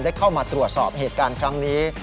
เข้ามาตรวจสอบเหตุการณ์ครั้งนี้